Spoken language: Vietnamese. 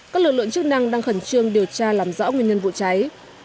các lực lượng chức năng đang khẩn trương điều tra làm rõ nguyên nhân vụ cháy